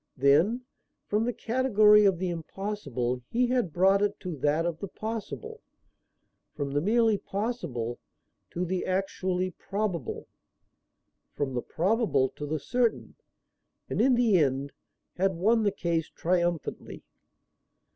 Then, from the category of the impossible he had brought it to that of the possible; from the merely possible to the actually probable; from the probable to the certain; and in the end had won the case triumphantly.